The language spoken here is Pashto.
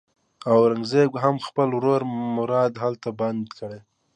اورنګزېب هم خپل ورور مراد هلته بندي کړ.